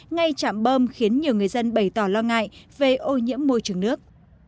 ngay chạm bơm khiến nhiều người dân bày tỏ lo ngại về ô nhiễm môi trường nước